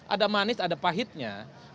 ada manis ada pahitnya